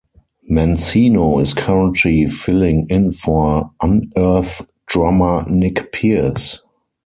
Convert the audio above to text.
Mancino is currently filling in for Unearth drummer Nick Pierce.